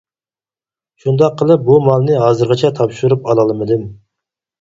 شۇنداق قىلىپ بۇ مالنى ھازىرغىچە تاپشۇرۇپ ئالالمىدىم.